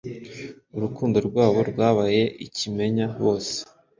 Urukundo rwabo rwabaye ikimenya bose